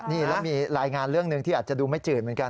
นี่แล้วมีรายงานเรื่องหนึ่งที่อาจจะดูไม่จืดเหมือนกัน